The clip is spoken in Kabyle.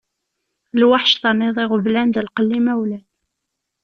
Lweḥc terniḍ iɣeblan d lqella imawlan.